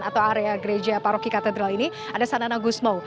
atau area gereja paroki katedral ini ada sanana gusmo